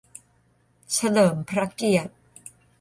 'เฉลิมพระเกียรติ'